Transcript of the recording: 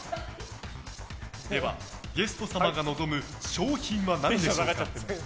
では、ゲスト様が望む賞品は何でしょうか？